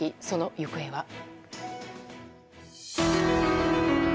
その行方は。